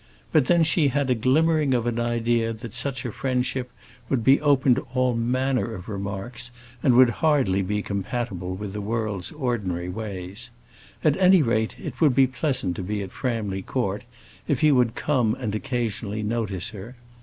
But then she had a glimmering of an idea that such a friendship would be open to all manner of remarks, and would hardly be compatible with the world's ordinary ways. At any rate it would be pleasant to be at Framley Court, if he would come and occasionally notice her.